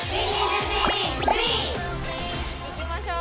行きましょう。